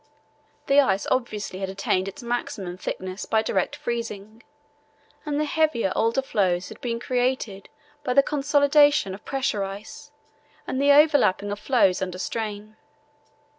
The ice obviously had attained its maximum thickness by direct freezing, and the heavier older floes had been created by the consolidation of pressure ice and the overlapping of floes under strain.